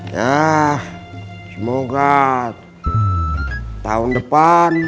nah semoga tahun depan